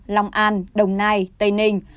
lòng an đồng nai tây ninh